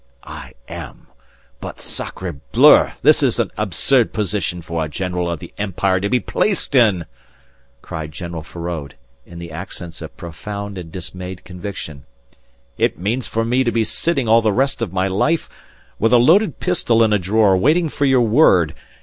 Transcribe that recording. "I am! But sacrebleu! This is an absurd position for a general of the empire to be placed in," cried General Feraud, in the accents of profound and dismayed conviction. "It means for me to be sitting all the rest of my life with a loaded pistol in a drawer waiting for your word.